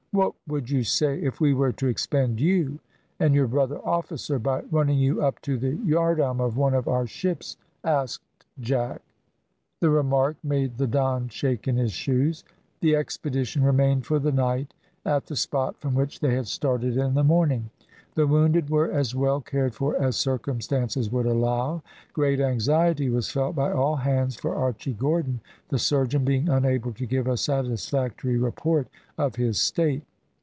"What would you say if we were to expend you and your brother officer, by running you up to the yardarm of one of our ships?" asked Jack. The remark made the Don shake in his shoes. The expedition remained for the night at the spot from which they had started in the morning. The wounded were as well cared for as circumstances would allow. Great anxiety was felt by all hands for Archy Gordon, the surgeon being unable to give a satisfactory report of his state.